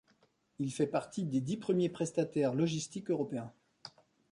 Il fait partie des dix premiers prestataires logistiques européens.